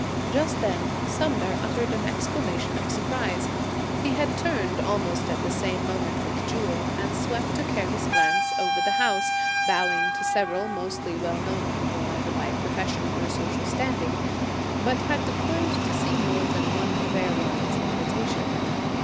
Just then Sumner uttered an exclamation of surprise. He had turned, almost at the same moment with Jewel, and swept a careless glance over the house, bowing to several, mostly well known people either by profession or social standing, but had declined to see more than one fair one's invitation.